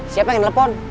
siapa yang telepon